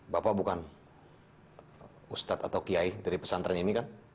bapak bukan ustadz atau kiai dari pesantren ini kan